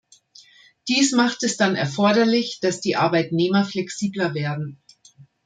Dies macht es dann erforderlich, dass die Arbeitnehmer flexibler werden.